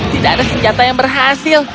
tidak ada senjata yang berhasil